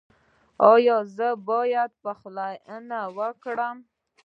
ایا زه باید پخلاینه وکړم؟